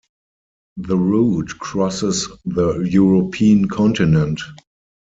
The route crosses the European continent.